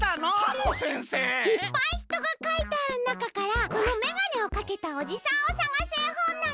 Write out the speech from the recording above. いっぱいひとがかいてあるなかからこのメガネをかけたおじさんを探すえほんなの！